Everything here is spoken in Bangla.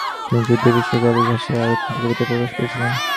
তিনি যুদ্ধের বিষয়ে গ্যালিক ভাষায় আরও তিনটি কবিতা প্রকাশ করেছিলেন।